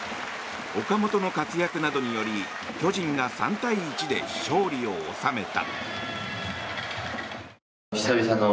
岡本の活躍などにより巨人が３対１で勝利を収めた。